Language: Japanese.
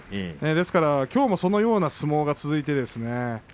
ですから、きょうもそのような相撲が続いてですね